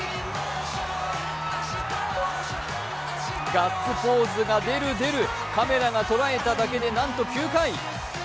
ガッツポーズが出る出る、カメラが捉えただけでなんと９回。